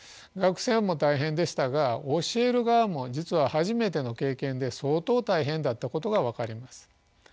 学生も大変でしたが教える側も実は初めての経験で相当大変だったことが分かります。